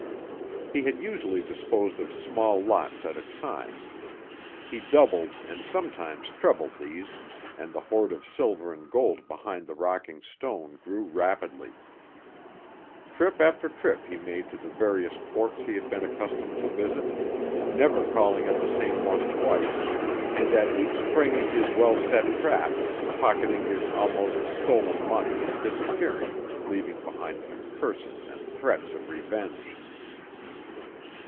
He had usually disposed of small lots at a time. He doubled and sometimes trebled these, and the hoard of silver and gold behind the rocking stone grew rapidly. Trip after trip he made to the various ports he had been accustomed to visit, never calling at the same one twice, and at each springing his well set trap, pocketing his almost stolen money and disappearing, leaving behind him curses and threats of revenge.